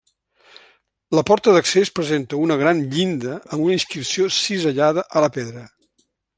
La porta d'accés presenta una gran llinda amb una inscripció cisellada a la pedra.